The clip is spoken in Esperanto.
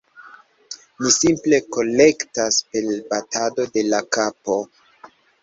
mi simple kolektas per batado de la kapo.